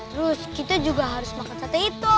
terus kita juga harus makan sate itu